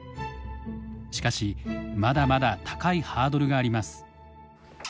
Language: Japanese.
しかしまだまだ高いハードルがあります。